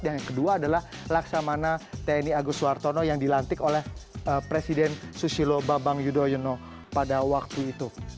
yang kedua adalah laksamana tni agus suartono yang dilantik oleh presiden susilo babang yudhoyono pada waktu itu